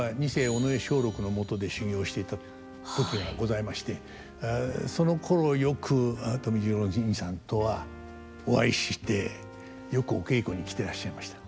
尾上松緑のもとで修業していた時がございましてそのころよく富十郎にいさんとはお会いしてよくお稽古に来てらっしゃいました。